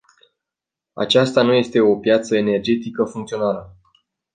Aceasta nu este o piață energetică funcțională.